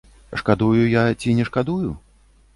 Шкадую я ці не шкадую?